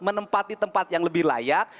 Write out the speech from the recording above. menempati tempat yang lebih layak